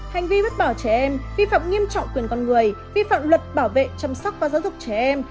hành vi vứt bỏ trẻ em vi phạm nghiêm trọng quyền con người vi phạm luật bảo vệ chăm sóc và giáo dục trẻ em